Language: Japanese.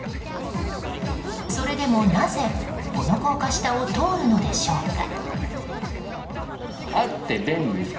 それでもなぜこの高架下を通るのでしょうか。